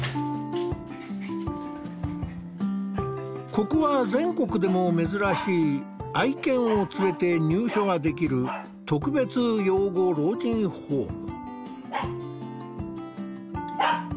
ここは全国でも珍しい愛犬を連れて入所ができる特別養護老人ホーム。